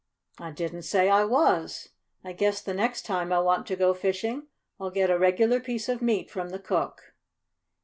"I didn't say I was. I guess the next time I want to go fishing I'll get a regular piece of meat from the cook."